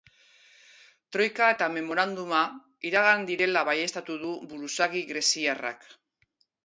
Troika eta memoranduma iragana direla baieztatu du buruzagi greziarrak.